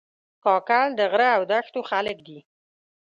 کاکړ د غره او دښتو خلک دي.